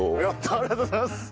ありがとうございます。